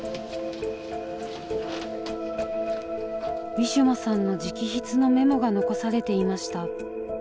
ウィシュマさんの直筆のメモが残されていました。